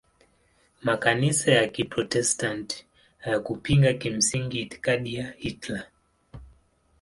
Makanisa ya Kiprotestanti hayakupinga kimsingi itikadi ya Hitler.